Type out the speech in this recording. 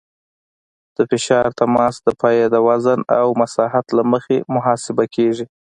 د فشار تماس د پایې د وزن او مساحت له مخې محاسبه کیږي